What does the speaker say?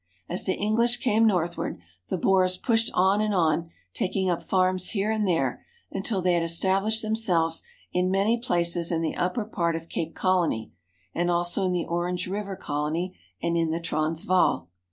As the English came northward, the Boers pushed on and on, taking up farms here and there, until they had established them selves in many places in the upper part of Cape Colony and also in the Orange River Colony and in the Trans vaal.